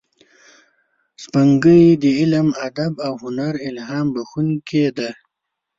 سپوږمۍ د علم، ادب او هنر الهام بخښونکې ده